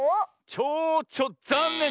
チョウチョざんねん！